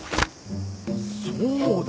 そうだ！